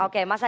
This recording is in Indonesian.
oke mas adi